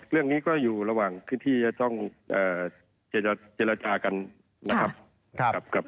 เรื่องนี้ก็อยู่ระหว่างที่จะต้องเจรจากันนะครับ